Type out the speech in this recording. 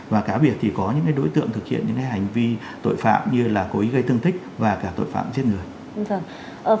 và cá biệt thì có những cái đối tượng thực hiện những cái hành vi tội phạm như là cố ý gây tương thích và cả tội phạm giết người